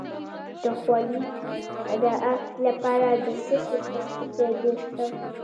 د خولې د افت لپاره د څه شي پوستکی جوش کړم؟